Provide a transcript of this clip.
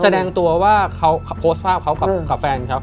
แสดงตัวว่าเขาโพสต์ภาพเขากับแฟนเขา